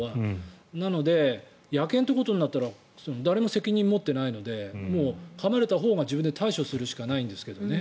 だから野犬ということになったら誰も責任を持っていないのでかまれたほうが自分で対処するしかないんですけどね。